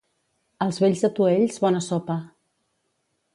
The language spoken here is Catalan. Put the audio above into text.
Als vells atuells, bona sopa.